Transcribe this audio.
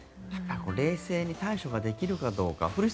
冷静に対処ができるかどうか。